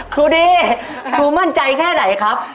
ครูดีครูมั่นใจแค่ไหนครับ